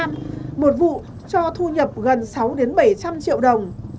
một vụ cho thu nhập gần sáu đến bảy trăm linh triệu đồng